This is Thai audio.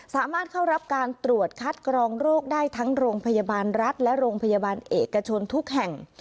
สามารถเข้ารับการตรวจคัดกรองโรคได้ทั้งโรงพยาบาลรัฐและโรงพยาบาลเอกชนทุกแห่ง